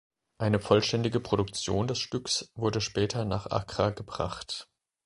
Eine vollständige Produktion des Stücks wurde später nach Accra gebracht.